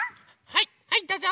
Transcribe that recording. はいはいどうぞ。